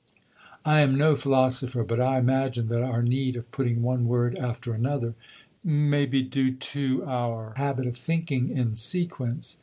I am no philosopher, but I imagine that our need of putting one word after another may be due to our habit of thinking in sequence.